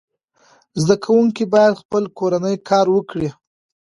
زده کوونکي باید خپل کورنی کار وکړي.